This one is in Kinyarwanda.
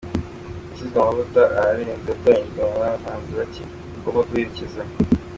yasizwe amavuta, ararenze yatoranyijwe mu bahanzi bacye bagomba guherecyeza.